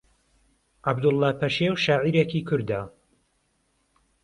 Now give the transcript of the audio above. عەبدوڵڵا پەشێو شاعیرێکی کوردە